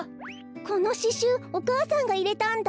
このししゅうお母さんがいれたんだ。